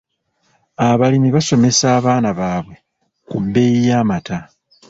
Abalimi basomesa abaana baabwe ku bbeeyi y'amata.